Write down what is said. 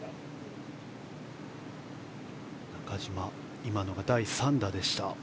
中島は今のが第３打でした。